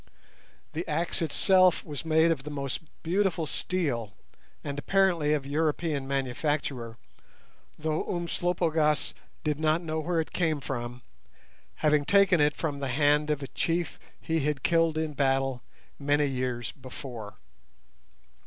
The axe itself was made of the most beautiful steel, and apparently of European manufacture, though Umslopogaas did not know where it came from, having taken it from the hand of a chief he had killed in battle many years before.